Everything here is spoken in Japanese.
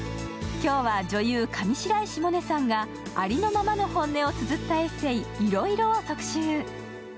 今日は女優、上白石萌音さんがありのままをつづった「いろいろ」を特集。